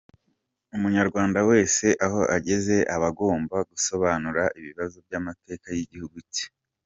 Umunyarwanda wese aho ageze aba agomba gusobanura ibibazo by’amateka y’igihugu cye.